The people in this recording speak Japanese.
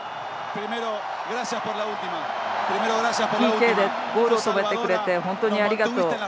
ＰＫでボールを止めてくれて本当にありがとう。